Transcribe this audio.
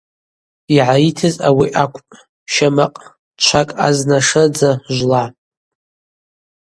Йгӏаритызгьи ауи акӏвпӏ: щамакъ чвакӏ азна шырдза жвла.